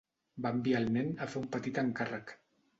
Va enviar el nen a fer un petit encàrrec.